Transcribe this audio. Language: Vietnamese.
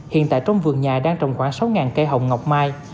hiện tại trong vườn nhà đang trồng khoảng sáu cây hồng ngọc mai